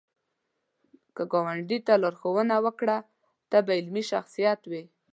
که ګاونډي ته لارښوونه وکړه، ته به علمي شخصیت وې